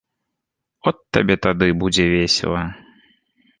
От табе тады будзе весела!